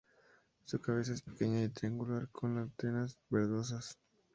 Su cabeza es pequeña y triangular con antenas verdosas.